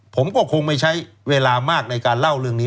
ผมก็คงไม่ใช้เวลามากในการเล่าเรื่องนี้